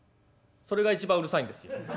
それが一番うるさいんですよ。